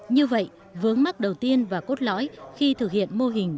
như vậy vướng mắt đầu tiên và cốt lõi khi thực hiện mô hình bí thư